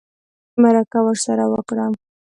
مرکه ورسره وکړه